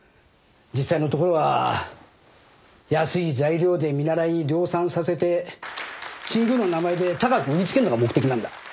実際のところは安い材料で見習いに量産させて新宮の名前で高く売りつけるのが目的なんだ。